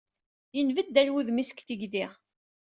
Yenbeddal wudem-is seg tigdi.